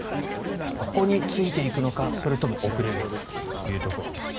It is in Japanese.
ここについていくのか、それとも遅れるのかというところです。